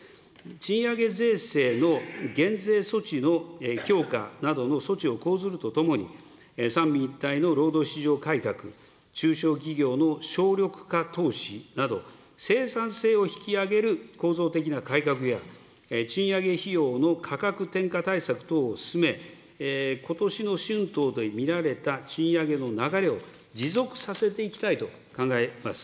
賃上げ税制の減税措置の強化などの措置を講ずるとともに、三位一体の労働市場改革、中小企業の省力化投資など、生産性を引き上げる構造的な改革や、賃上げ費用の価格転嫁対策等を進め、ことしの春闘で見られた賃上げの流れを持続させていきたいと考えます。